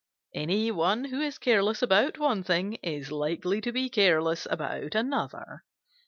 Any one who is careless about one thing, is likely to be careless about another.